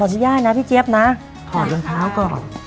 ขออนุญาตนะพี่แจ๊คนะขอดั่นเท้าก่อน